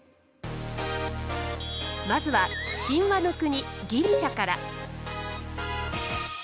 まずは神話の国ギリシャから。